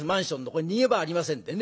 これ逃げ場ありませんでね。